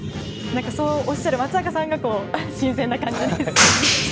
そうおっしゃる松坂さんが新鮮な感じです。